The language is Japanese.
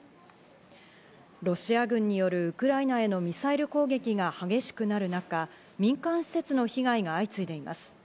ロシア軍によるウクライナへのミサイル攻撃が激しくなる中、民間施設の被害が相次いでいます。